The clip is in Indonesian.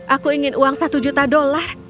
aku ingin uang satu juta dolar